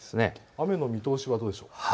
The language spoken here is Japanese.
雨の見通しはどうでしょう。